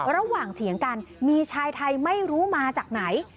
ระหว่างเสียงกันมีชายไทยไม่รู้มาจากไหน